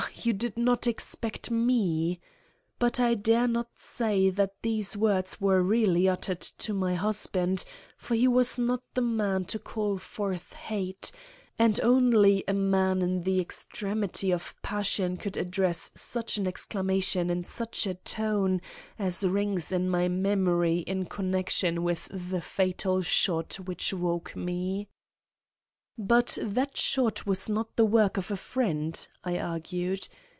you did not expect me!' But I dare not say that these words were really uttered to my husband, for he was not the man to call forth hate, and only a man in the extremity of passion could address such an exclamation in such a tone as rings in my memory in connection with the fatal shot which woke me." "But that shot was not the work of a friend," I argued.